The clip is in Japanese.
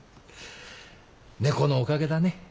猫のおかげだね。